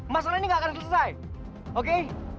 masalah ini gak akan selesai oke